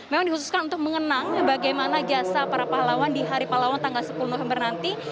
memang dikhususkan untuk mengenang bagaimana jasa para pahlawan di hari pahlawan tanggal sepuluh november nanti